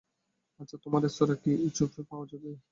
আচ্ছা, তোমার রেস্তোরাঁ কি ইচোফে পাওয়া যাবে?